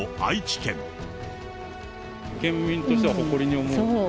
県民としては誇りに思う。